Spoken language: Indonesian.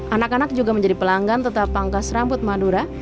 anak anak juga menjadi pelanggan tetap pangkas rambut madura